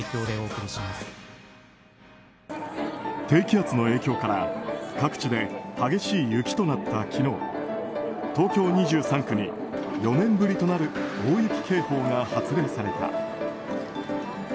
低気圧の影響から各地で激しい雪となった昨日東京２３区に４年ぶりとなる大雪警報が発令された。